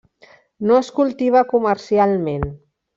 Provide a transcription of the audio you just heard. No es cultiva comercialment.